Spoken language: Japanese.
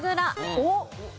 おっ！